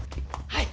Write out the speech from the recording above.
はい。